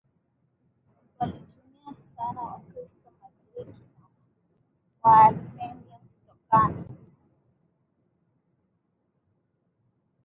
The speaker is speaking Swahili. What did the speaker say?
walitumia sana Wakristo Wagiriki na Waarmenia kutokana